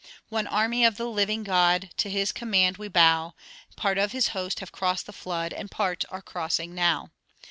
.... 'One army of the living God, To his command we bow; Part of his host have crossed the flood And part are crossing now.